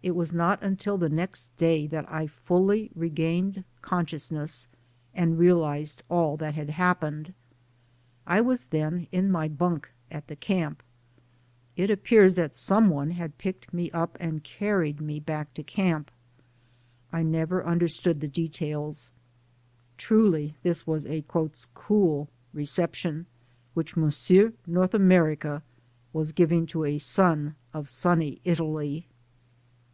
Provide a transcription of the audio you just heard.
It was not until the next day that I fully regained consciousness and realized all that had happened. I was then in my bunk at the camp. It appears that some one had picked me up and carried me back to camp. I never un derstood the details. Truly this was a "cool" re ception which Monsieur North America was giving to a son of Sunny Italy.